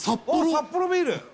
「サッポロビール」！